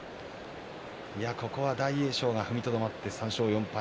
ここは大栄翔が踏みとどまって３勝４敗。